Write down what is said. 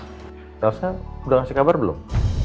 terusnya udah ngasih kabar belum